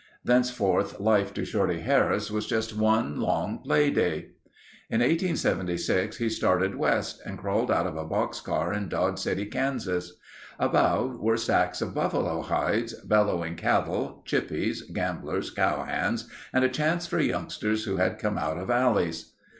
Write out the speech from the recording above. Thenceforth life to Shorty Harris was just one long playday. In 1876 he started West and crawled out of a boxcar in Dodge City, Kansas. About were stacks of buffalo hides, bellowing cattle, "chippies," gamblers, cow hands, and a chance for youngsters who had come out of alleys.